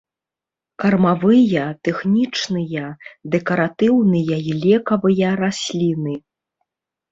Кармавыя, тэхнічныя, дэкаратыўныя і лекавыя расліны.